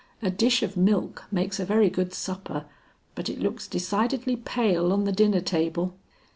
A dish of milk makes a very good supper but it looks decidedly pale on the dinner table."